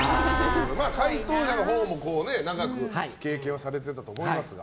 回答者のほうも長く経験をされてたと思いますが。